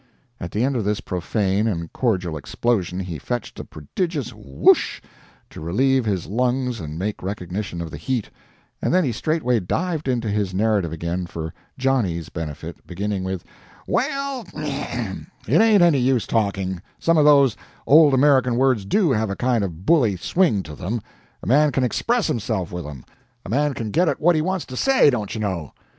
At the end of this profane and cordial explosion he fetched a prodigious "WHOOSH!" to relieve his lungs and make recognition of the heat, and then he straightway dived into his narrative again for "Johnny's" benefit, beginning, "Well, it ain't any use talking, some of those old American words DO have a kind of a bully swing to them; a man can EXPRESS himself with 'em a man can get at what he wants to SAY, dontchuknow."